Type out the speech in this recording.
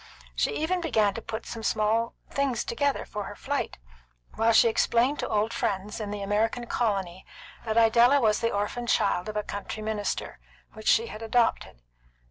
She even began to put some little things together for her flight, while she explained to old friends in the American colony that Idella was the orphan child of a country minister, which she had adopted.